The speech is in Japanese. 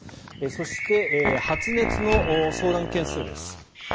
そして、発熱の相談件数です。